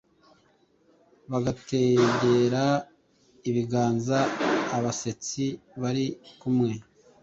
bagategera ibiganza abasetsi bari kumwe.